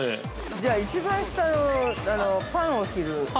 ◆じゃあ、一番下のパンを切る。